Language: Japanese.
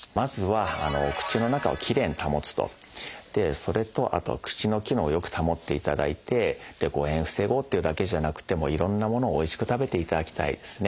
それと口の機能をよく保っていただいて誤えんを防ごうっていうだけじゃなくていろんなものをおいしく食べていただきたいですね。